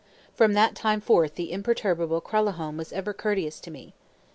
From that time forth the imperturbable Kralahome was ever courteous to me.